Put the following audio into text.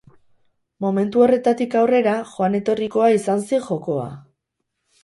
Momentu horretatik aurrera joan etorrikoa izan zen jokoa.